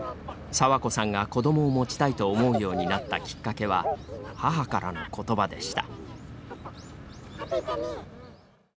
佐和子さんが子どもを持ちたいと思うようになったきっかけは母からの言葉でした。